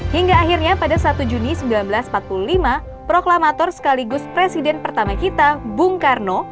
hingga akhirnya pada satu juni seribu sembilan ratus empat puluh lima proklamator sekaligus presiden pertama kita bung karno